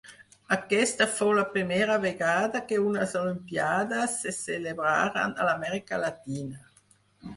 Aquesta fou la primera vegada que unes olimpíades se celebraren a l'Amèrica Llatina.